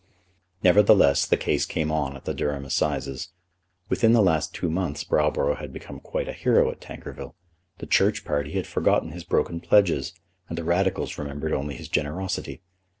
Nevertheless, the case came on at the Durham Assizes. Within the last two months Browborough had become quite a hero at Tankerville. The Church party had forgotten his broken pledges, and the Radicals remembered only his generosity.